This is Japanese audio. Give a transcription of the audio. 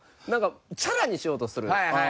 なんかチャラにしようとする。